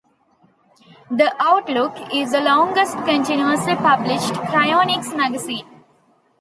"The Outlook" is the longest continuously published cryonics magazine.